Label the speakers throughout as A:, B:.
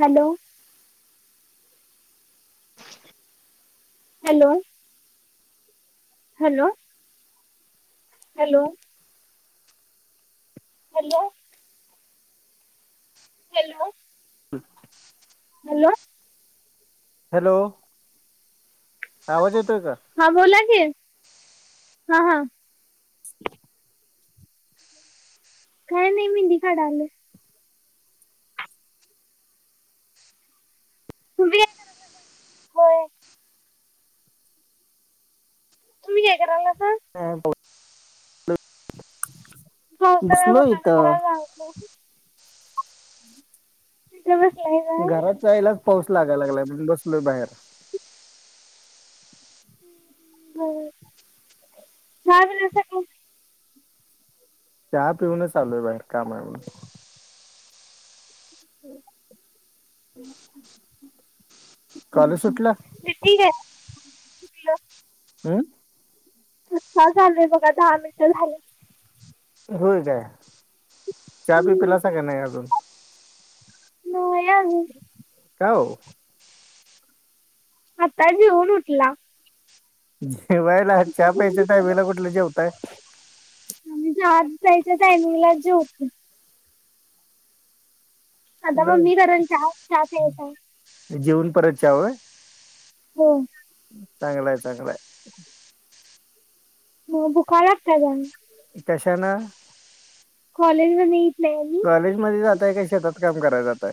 A: Hello
B: [unintelligible]
A: hello hello hello hello hello
B: हम्
A: hello
B: hello आवाज येतोय का
A: हा बोला की हा हा
B: [unintelligible]
A: काय नाही मेहंदी काढालेय हो तुम्ही काय करालायसा
B: ह [inaudible]
A: हो सगळ कस खराब आहे [inaudible]
B: घरात जायलाच पाऊस लागायला लागलाय मी बसलोय बाहेर
A: बर काय पण का
B: चहा पिऊनच आलोय बाहेर काम हाय म्हणून. काॅलेज सुटलं?
A: [inaudible] सुटलं.
B: हम.
A: आताच आलोय बघा दहा मिनिटं झालं.
B: होय. काय चहा बी पिलासा काय नाई अजून.
A: नाई अजून.
B: काओ?
A: आता जेवुन उटलावं.
B: जेवायला चा प्यायच्या टायमिंगला कुठलं जेवताय.
A: आम्ही चहाच प्यायच्या टायमिंगलाच जेवतोय. आता मम्मी करेल चहा चहा प्यायचा
B: जेऊन परत चा होय.
A: हो.
B: चांगलाय चांगलाय.
A: म भुका लागत्यात आणि
B: कशा न
A: कॉलेज मधन ई
B: कॉलेज मध्ये जाताय का शेतात काम कराय जाताय?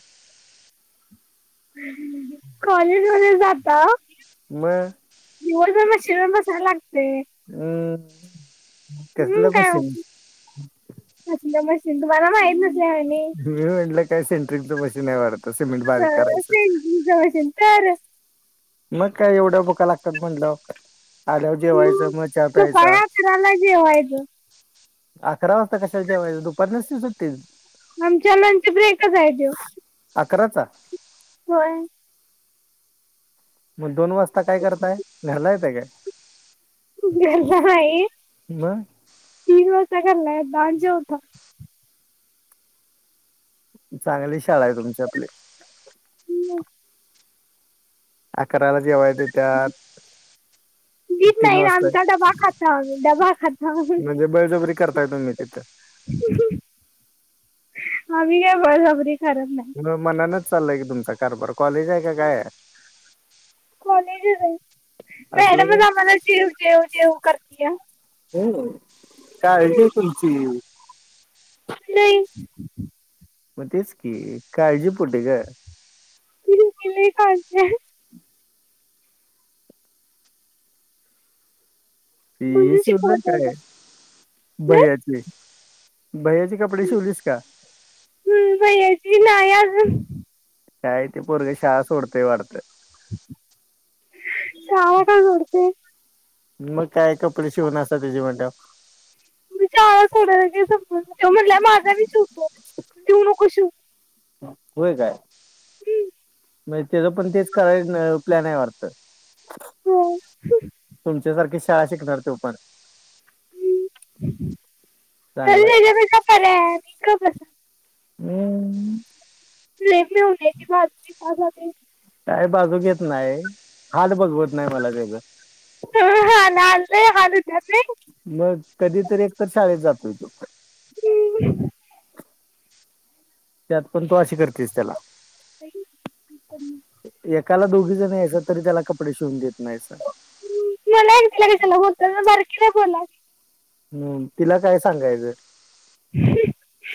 A: कॉलेज मध्ये जाताव.
B: मग
A: दिवसभर मशीनवर बसाय लागत
B: हम.
A: हम्म काय हम्म कसल मशीन तुम्हाला माहीत नस
B: [unintelligible] म्हटलं काय सेंट्रिकच मशीन हाय वाढत. का सिमेंट बारीक करायचं.
A: मशीन तर
B: मग काय एवढ्या भुका लागत्यात म्हंटल्याव. आल्याव जेवायच
A: मग
B: म चा
A: सकाळी
B: प्यायचा.
A: अकराला जेवायचं
B: अकरा वाजता कशाला जेवायचं दुपारी नसती सुट्टी
A: आमच्या लंच ब्रेकच हाय त्यो
B: अकराचा.
A: होय.
B: मग दोन वाजता काय करताय? घरला येताय काय?
A: घरला नाई
B: मग
A: तीन वा जता घरला येताव आणि जेवताव.
B: चांगली शाळा हाय तुमची आपली.
A: म.
B: अकराला जेवाय देत्यात.
A: दित
B: तीन
A: नाईत
B: वाजता
A: आमचा डबा खाताव आम्ही डबा खाताव.
B: म्हणजे बळजबरी करताय तुम्ही तिथं.
A: आम्ही काय बळजबरी करत नाही
B: म मनानच चाललंय की तुमचा कारभार कॉलेज हाय का काय हाय.
A: कॉलेजच हाय.
B: असलं काय
A: मॅडमच आम्हाला जेव जेव जेव करतिया.
B: काळजीय तुमची.
A: नाई.
B: म तेच की काळजीपोटी ग.
A: तेचं कि लई काळजी हाय.
B: ती हे
A: म्हणून
B: शिवल
A: शिकवत नाही का?
B: काय?
A: हं?
B: बहयाचे. बह्याचे कपडे शिवलीस का?
A: भयाची नाई अजून.
B: काय ते पोरग शाळा सोडतय वाढतं.
A: शाळा का सोडते.
B: मग काय कपडे शिवणासा त्याजी म्हणल्याव.
A: [unintelligible]
B: होय काय
A: हं,
B: म्हणजे त्याच पण तेच कराय प्लॅन आहे वाटत.
A: हो. हं.
B: तुमच्यासारखी शाळा शिकणार तो पण. चांगला
A: [unintelligible]
B: [unintelligible]
A: [unintelligible]
B: काय बाजू घेत नाही. हात बघवत नाही मला त्याचा.
A: [unintelligible]
B: मग कधीतरी एकतर शाळेत जातोय तो.
A: [inaudible]
B: त्यात पण तू अशी करतेस त्याला.
A: [inaudible]
B: एकाला दोघी तरी त्याला कपडे शिवून देत नाहीस
A: [unintelligible]
B: हम्म तिला काय सांगायचं.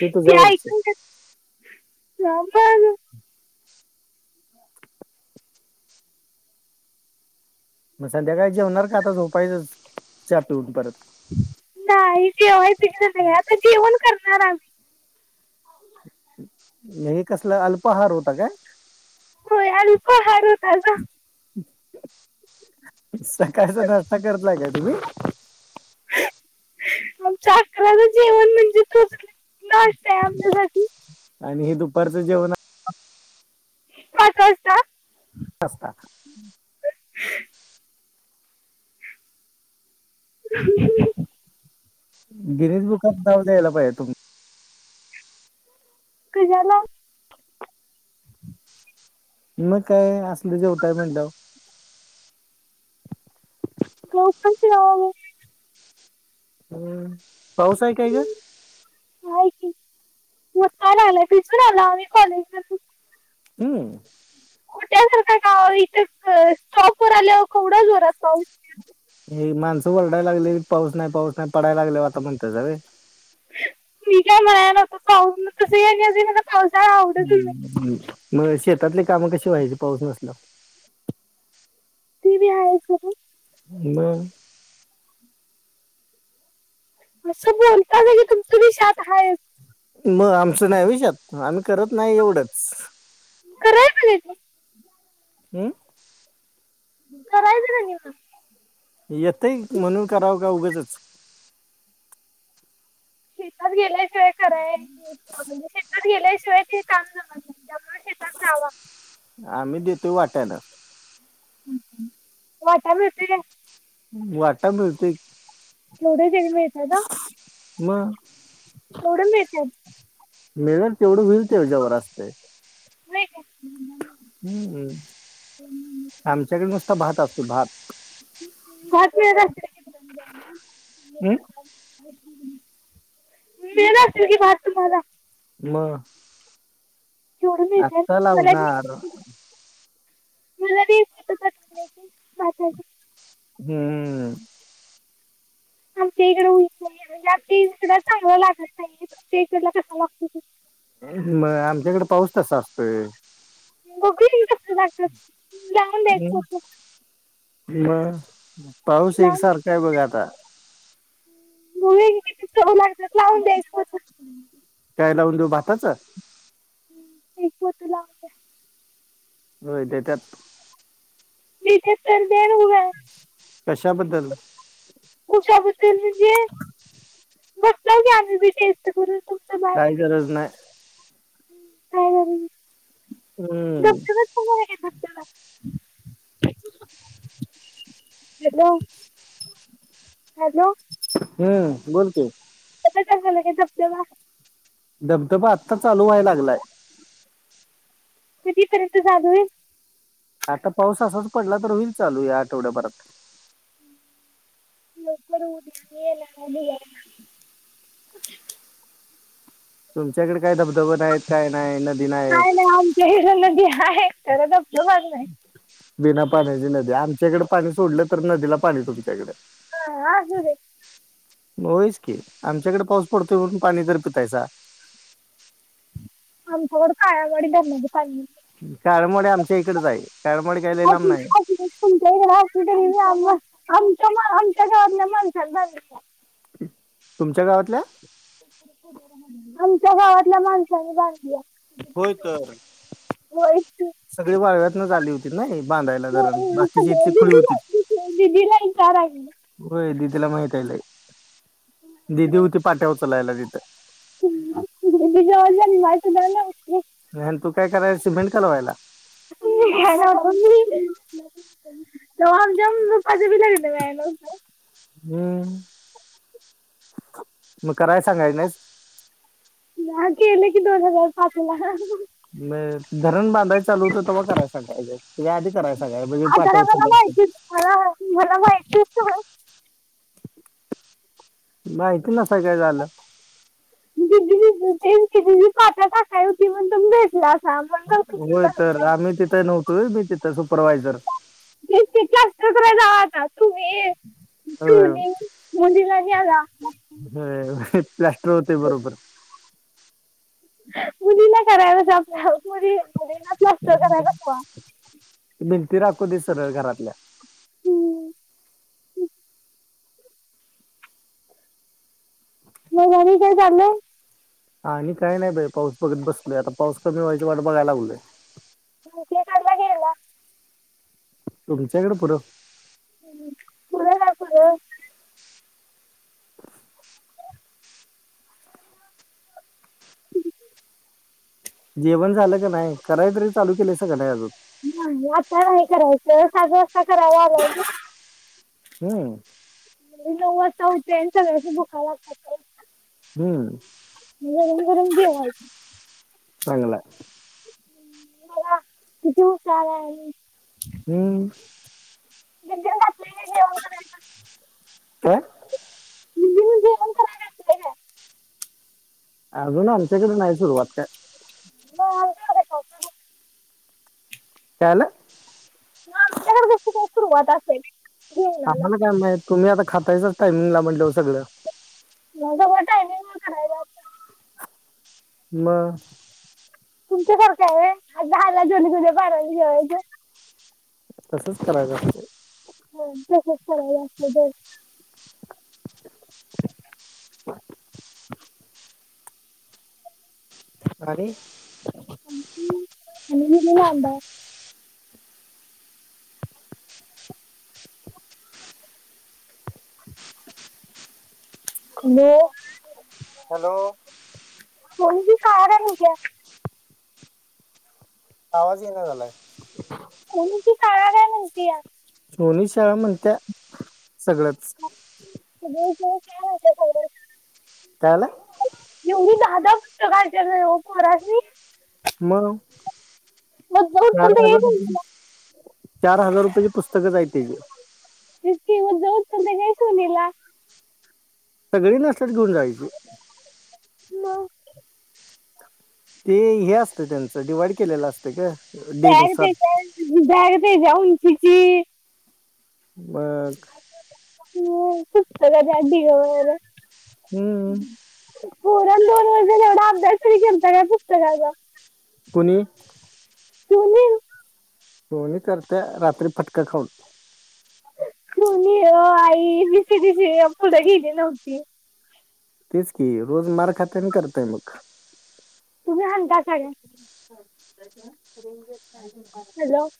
B: ते तुझ्यावरच मग संध्याकाळी जेवणार का, आता झोपायचं चा पिऊन परत.
A: [unintelligible]
B: नाही हे कसला, अल्पाहार होता काय?
A: [unintelligible]
B: सकाळचा नाश्ता करताय का तुम्ही?
A: आमच अकराला जेवण म्हणजे तोच कि. नाश्ताये आमच्यासाठी.
B: आणि हे दुपारचं जेवण
A: काय करता.
B: [unintelligible]
A: [inaudible] [inaudible]
B: गिरीश बुकात नाव द्यायला पाहिजे तुम
A: [unintelligible] [inaudible]
B: मग काय असलं जेवताय म्हटल्यावर.
A: [unintelligible]
B: हम्म पाऊस आहे काय ग.
A: [unintelligible]
B: हम्म
A: [unintelligible]
B: हे माणसं वरडायला लागली. पाऊस नाही. पाऊस नाही. पडायला लागलेवर आता म्हणतासा व्हय.
A: मी [unintelligible] आवडतच नाही
B: हम्म मग शेतातली कामं कशी व्हायची पाऊस नसल्यावर.
A: [unintelligible]
B: म
A: असं बोलतात की तुमची शात हायच.
B: म आमचं नाही व्हय शेत. आम्ही करत नाही एवढेच.
A: [unintelligible]
B: हम्म
A: करायचं ना निव
B: येतंय म्हणून करावं का उगचच
A: शेतात गेलाय
B: [unintelligible]
A: त्याला ते काम जमत नाय
B: आम्ही देतोय वाट्यानं
A: वाटा मिळतोय काय?
B: वाटा मिळतोय की
A: केवढ [unintelligible] मिळतय का
B: मग मिळलं तेवढं हुइल तेजावर असतय
A: व्हय काय
B: हम्म, आमच्याकडे नुसता भात असतो भात
A: भात मिळत असल
B: हम्म
A: की मिळत असल की भात तुम्हांला
B: मग
A: सोडून
B: आत्ता
A: देतात मला बी
B: लावणार
A: मला दे आता [unintelligible] भाताच
B: [inaudible]
A: आमच्या हिकडं हुइत नाही म्हणजे आमच्या इकड चांगलं लागत नाहीे तिकडं कस लागतोय तसं
B: मग आमच्याकडं पाऊस तसा असतोय.
A: बघू दे कस लागत लावून
B: हम्म,
A: द्यायच तस
B: मग पाऊस एकसारखा आहे बघ आता
A: बघूया की किती चव लागत्यात लावून द्याय अस
B: काय लावून देऊ भाताच
A: हुं एक पोत लावून दया.
B: व्हय देत्यात
A: देत्यात तर देण उगा
B: कशाबद्दल?
A: कशाबद्दल म्हंजे
B: [inaudible]
A: बगतय की आम्ही बी टेस्ट करून
B: काय गरज न्हाय
A: ह काय गरज हाय
B: हम्म
A: गपचूप [unintelligible] हॅलो. हॅलो.
B: हम्म बोल की
A: अश्या टायमाला काय झोपतावा
B: धबधबा आत्ता चालू व्हाय लागलाय
A: कितीपर्यंत चालू आहे?
B: आता पाऊस असाच पडला तर होईल चालू या आठवड्याभरात
A: लवकर होउ दे आम्ही यायला बघायला
B: तुमच्याकडं काय धबधबा नाहीत काय नाही, नदी नाय
A: काय नाही आमच्या इकडे नदी आहे तर बघ
B: बिना पाण्याची नदी आमच्याइकडं पाणी सोडलं तर नदीला पाणी तुमच्याकडं
A: हा, असू दे
B: होयच की आमच्याकड पाऊस पडतोय म्हणून पाणी तर पितायसा
A: आमच्याकड काळ्यावाडी धरणाचं पाणी येतंय
B: काळमणी आमच्या इकडच हाय
A: असू दे, असू दे तुमच्याकडं असू दे रे बाबा आमच्याम् आमच्या गावातल्या माणसानी बांधल्या
B: तुमच्या गावातल्या
A: आमच्या गावातल्या माणसानी बांधल्या
B: होय तर
A: की.
B: सगळी वाळव्यातन आली होती ना हे. बांधायला धरण
A: होय,
B: बाकीची
A: सगळे
B: इतली खुळी होती.
A: दीदीला दीदीला विचारायला
B: होय. ला माहितीयलेई. दिदी होती पाट्या उचलायला तिथं.
A: दीदी जेव्हा [inaudible]
B: अन तू काय करायला, सिमेंट कलवायला.
A: [inaudible] अमच्या पाजे भी लागते लो.
B: हम्म मग कराय सांगाय नाहीस.
A: नाही कले की दोन हजार पाच ला.
B: मग धरण बांधाय चालू होतं तेव्हा कराय सागायलोय या आधी करायचं.
A: हा जरा जरा माहितीत मला मला माहितीत सगळ.
B: माहिती नसाय काय झालं.
A: दीदी ते पाट्या टाकायला होती म्हणून तुम्ही भेटला. असा म्हणून
B: होय तर आम्ही तिथं नव्हतो मी तिथं सुपरवायझर.
A: तेच [inaudible]
B: होय.
A: केला
B: होय होय प्लास्टर होते बरोबर.
A: मुलीला करायला जामता मुली मुलीला प्लास्टर करायला जावा
B: भिंती राखू दे सरळ घरातल्या.
A: हम्म. मग आणि काय चाललय
B: आणि काय नाही बाई पाऊस बघत बसलोय आता पाऊस कमी व्हायची वाट बघायला लागलोय.
A: [inaudible]
B: तुमच्याकडें पुरं.
A: हम्म. पुर काय पुर.
B: जेवण झालं का नाही कराय तरी चालू केलंस का नाय अजून.
A: नाही आता नाही करायचं सात वाजता कराला आलागायच.
B: हम्म.
A: हवा खाताय
B: हम्म.
A: गरम गरम जेवायचं
B: चांगलाय
A: ह् मला किती हुशार आहे आम्ही.
B: हम्म.
A: [inaudible] करायचं
B: काय?
A: म्हणजे मी जेवण करायला घातलंय
B: अजून आमच्याकडे नाय सुरवात काय.
A: [inaudible]
B: काय झाल?
A: आमच्याकडं कसं काय सुरुवात असल.
B: आम्हाला काय माहित तुम्ही आता खातायचच टायमिंगला म्हणल्याव सगळं.
A: माझ बटा आहेम करायला [unintelligible]
B: मग
A: तुमच्यासारखंय व्हय आज दहाला जेवलो की उद्या बाराला जेवायचं.
B: तसच करायचं असतय
A: हा तसच करायला अस तर.
B: [inaudible] आणि [unintelligible]
A: आणि क लाड [unintelligible] न [inaudible]
B: हॅलो?
A: होणी बी कार आहे निक [unintelligible]
B: आवाज ईना झालाय.
A: नचीी सारा ग मिणतीया [unintelligible]
B: सोनी शाळा म्हणत्या, सगळंच.
A: होतें सगळ. [unintelligible]
B: काय झालं?
A: येवी दादा फत काच्या कराी [unintelligible]
B: मग च हजार
A: चालतं काही
B: [unintelligible]
A: सुनीला
B: चार हजार रुपयाची पुस्तकच आहेत तिची.
A: तितकी उ उ घयचनीला [unintelligible]
B: सगळी नष्टतात घेऊन जायची [unintelligible]
A: मग?
B: ते हे असतं त्यांचं डिवाइड केलेलं असत ग.
A: बग ते बॅग ते जाऊन शिकी [unintelligible]
B: मग.
A: होस्तडी मर
B: हम्म
A: [unintelligible] परण दोन वर् एवढा [unintelligible] दसरी केता का पुस्तकाचा [unintelligible]
B: कूणी??
A: होणे [unintelligible]
B: सोनी करत्या, रात्री फटका खाऊन.
A: कोणी आई बीस त फला गेली नव्हती [unintelligible]
B: तेच कि रोज मार खात्या आणि करत्या मग.
A: तुम्ही म्हणता सग [unintelligible] हॅलो
B: [inaudible]